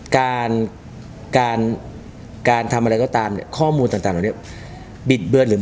การทำอะไรก็ตามเนี้ยข้อมูลต่างเหรอเนี้ยบิดเบลอดหลืม